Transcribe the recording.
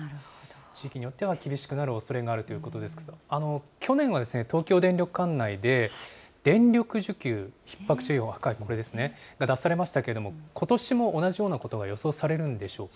地域によっては厳しくなるおそれがあるということですが、去年は東京電力管内で、電力需給ひっ迫注意報、これですね、出されましたけど、ことしも同じようなことが予想されるんでしょうか。